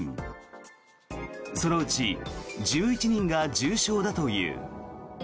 そのうち１１人が重症だという。